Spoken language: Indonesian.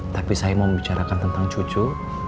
tapi saya mau membicarakan tentang cucu